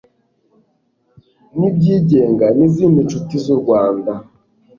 n ibyigenga n izindi nshuti z u rwanda